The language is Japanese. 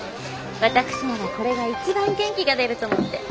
私ならこれが一番元気が出ると思って。